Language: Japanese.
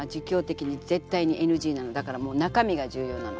だからもう中身が重要なの。